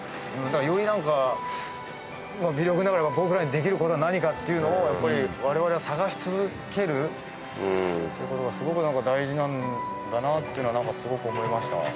より、なんか、微力ながら僕らにできる事は何かっていうのをやっぱり、我々は探し続けるっていう事がすごく大事なんだなっていうのはすごく思いました。